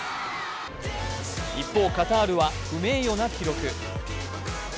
一方、カタールは不名誉な記録。